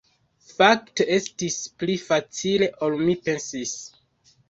Fakte estis pli facile ol mi pensis.